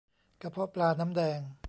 กระเพาะปลาน้ำแดง